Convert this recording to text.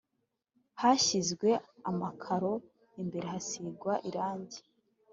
hashyizwe amakaro imbere hasigwa irangi